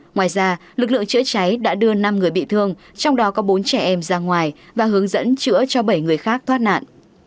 ngoài ra lực lượng chữa cháy đã đưa năm người bị thương trong đó có bốn trẻ em ra ngoài và hướng dẫn chữa cho bảy người khác thoát nạn